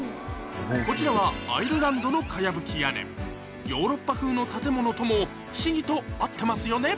こちらはアイルランドのかやぶき屋根ヨーロッパ風の建物とも不思議と合ってますよね